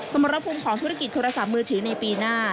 สมรภูมิของธุรกิจโทรศัพท์มือถือในปีหน้า